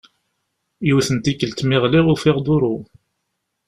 Yiwet n tikelt mi ɣliɣ ufiɣ duṛu.